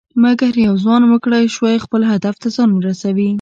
مګر یو ځوان وکړى شوى خپل هدف ته ځان ورسوي.